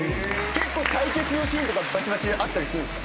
結構対決のシーンとかバチバチあったりするんですか？